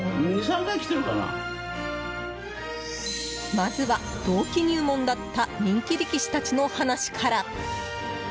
まずは同期入門だった人気力士たちの話から。